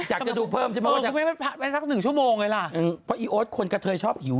อยากจะดูเพิ่มใช่ไหม